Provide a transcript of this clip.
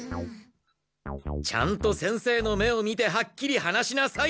ちゃんと先生の目を見てはっきり話しなさい！